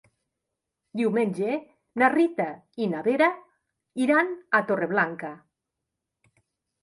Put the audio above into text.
Diumenge na Rita i na Vera iran a Torreblanca.